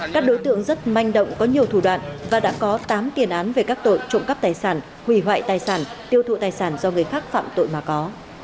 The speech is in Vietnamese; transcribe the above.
các đối tượng rất manh động có nhiều thủ đoạn và đã có tám tiền án về các tội trộm cắp tài sản hủy hoại tài sản tiêu thụ tài sản do người khác phạm tội mà có